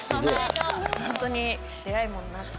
本当に出会いもなく。